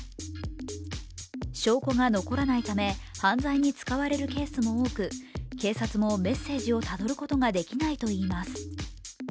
証拠が残らないため犯罪に使われるケースも多く警察もメッセージをたどることができないといいます。